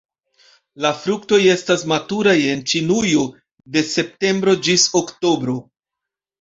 La fruktoj estas maturaj en Ĉinujo de septembro ĝis oktobro.